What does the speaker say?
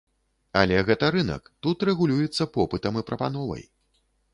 Але гэта рынак, тут рэгулюецца попытам і прапановай.